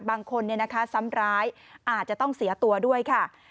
บางคนซ้ำร้ายอาจจะต้องเสียตัวด้วยค่ะ